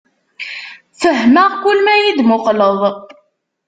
Fehmeɣ kul ma yi-d-muqleḍ.